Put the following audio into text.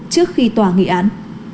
trước khi tòa nghị án